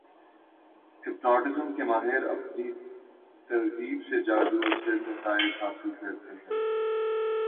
hypnotism کے ماہر اپنی ترغیب سے جادو اثر نتائج حاصل کرتے ہیں